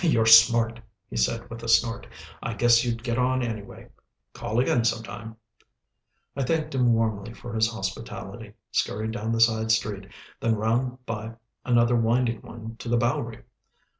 "You're smart," he said with a snort. "I guess you'd get on anyway. Call again, some time." I thanked him warmly for his hospitality, scurried down the side street, then round by another winding one to the Bowery!